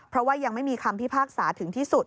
เพราะว่ายังไม่มีคำพิพากษาถึงที่สุด